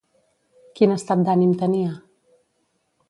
Quin estat d'ànim tenia?